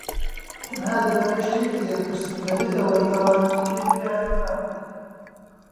تەنها دەمەوێت شتێکت لێ بپرسم بەبێ ئەوەی ئەوانی دیکە گوێیان لێمان بێت.